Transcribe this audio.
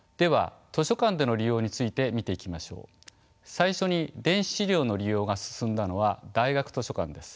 最初に電子資料の利用が進んだのは大学図書館です。